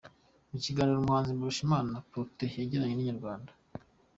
Mu kiganiro umuhanzi Mbarushimana Protais yagiranye na Inyarwanda.